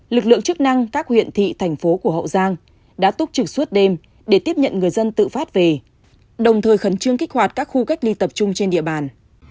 lực lượng chức năng các huyện thị thành phố của hậu giang đã túc trực suốt đêm để tiếp nhận người dân tự phát về đồng thời khẩn trương kích hoạt các khu cách ly tập trung trên địa bàn